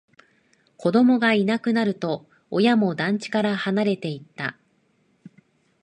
子供がいなくなると、親も団地から離れていった